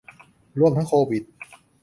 รวมทั้งโควิด